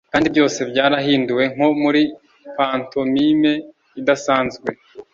kandi byose byarahinduwe nko muri pantomime idasanzwe,